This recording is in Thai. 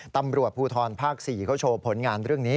ตำรวจภูทรภาค๔เขาโชว์ผลงานเรื่องนี้